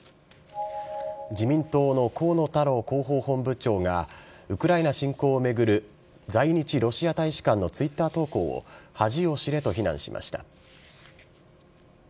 自民党の河野太郎広報本部長が、ウクライナ侵攻を巡る在日ロシア大使館のツイッター投稿を、恥を知れと非難しました。